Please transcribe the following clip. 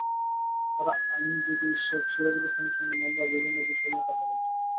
তাঁর আইনজীবী শেখ সিরাজুল ইসলামের সঙ্গে মামলার বিভিন্ন বিষয় নিয়ে কথা বলছেন।